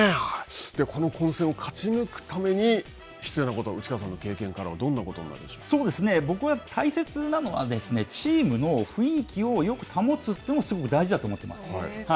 この混戦を勝ち抜くために、必要なこと、内川さんの経験からは、僕は大切なのは、チームの雰囲気をよく保つというのが、すごく大事だと思っています。